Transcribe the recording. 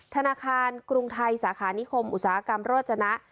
ธนาคารกรุงไทยสาขานิคมอุตสาหกรรมโรจนะ